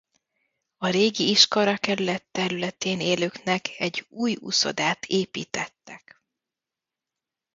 A régi iskolakerület területén élőknek egy új uszodát építettek.